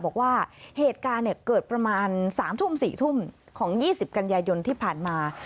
บอกว่าเหตุการณ์เกิดประมาณ๓ทุ่ม๔ทุ่มของ๒๐กันยายนที่ผ่านมา